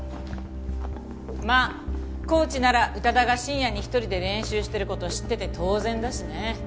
まあコーチなら宇多田が深夜に一人で練習してる事を知ってて当然だしね。